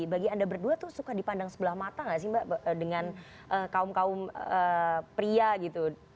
bagi anda berdua tuh suka dipandang sebelah mata gak sih mbak dengan kaum kaum pria gitu